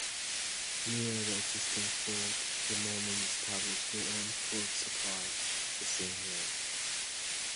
Near the existing fort, the Mormons established their own Fort Supply the same year.